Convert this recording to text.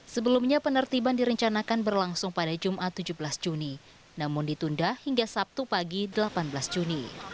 sebelumnya penertiban direncanakan berlangsung pada jumat tujuh belas juni namun ditunda hingga sabtu pagi delapan belas juni